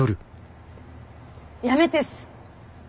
やめてっす。